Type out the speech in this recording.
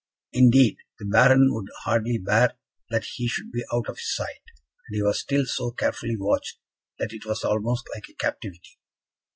Indeed, the Baron would hardly bear that he should be out of his sight; and he was still so carefully watched, that it was almost like a captivity.